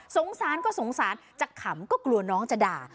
สงสารก็สงสารจะขำก็กลัวน้องจะด่า